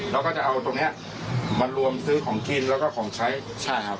แล้วก็จะเอาตรงเนี้ยมารวมซื้อของกินแล้วก็ของใช้ใช่ครับ